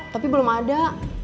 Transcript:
tapi belum ada